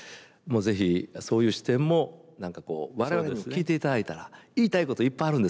是非そういう視点も何かこう我々に聞いていただいたら言いたいこといっぱいあるんですね。